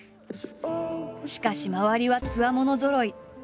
しかし周りはつわものぞろい。